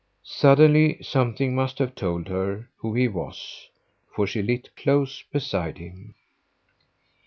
Suddenly something must have told her who he was, for she lit close beside him.